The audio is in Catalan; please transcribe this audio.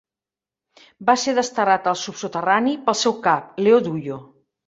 Va ser desterrat al "subsoterrani" pel seu cap, Leo Dullo.